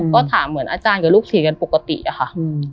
ก็ถามเหมือนอาจารย์กับลูกศิษย์กันปกติอะค่ะ